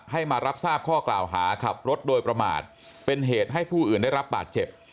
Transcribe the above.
ให้มารับทราบข้อกล่าวหาขับรถโดยประมาทเป็นเหตุให้ผู้อื่นได้รับบาดเจ็บ